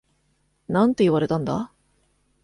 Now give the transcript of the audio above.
なんて言われたんだ？